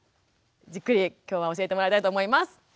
じっくり今日は教えてもらいたいと思います。